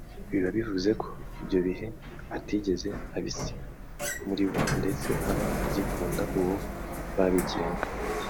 biba bivuze ko ibyo bihe atigeze abisiba muri we ndetse aba agikunda uwo babigiranye